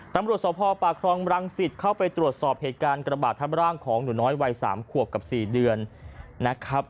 ตำรวจส่วนพ่อป่าคล้องรังสิทธิ์เข้าไปตรวจสอบเหตุการณ์กระบะทัพร่างของหนูน้อยวัยสามขวบกับสี่เดือนนะครับ